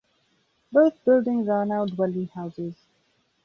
Both buildings are now dwelling houses.